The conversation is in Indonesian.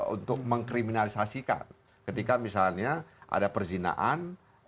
untuk mengkriminalisasikan ketika misalnya ada perzinaan